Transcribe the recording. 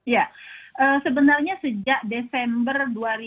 ya sebenarnya sejak desember dua ribu dua puluh